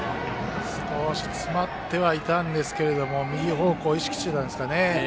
少し詰まってはいたんですが右方向を意識していたんですかね。